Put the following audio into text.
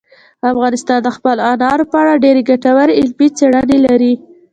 افغانستان د خپلو انارو په اړه ډېرې ګټورې علمي څېړنې لري.